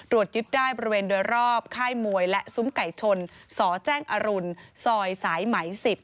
ยึดได้บริเวณโดยรอบค่ายมวยและซุ้มไก่ชนสแจ้งอรุณซอยสายไหม๑๐